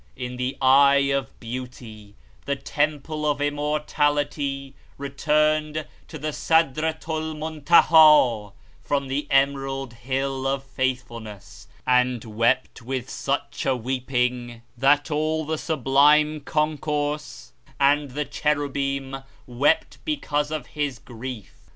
In the Eye of Beauty, the Temple of Immortality returned to the Sadrat el Montaha note, from the emerald Hill of Faithfulness, and wept with such a weeping that all the Sublime Concourse and the Cherubim wept because of His grief.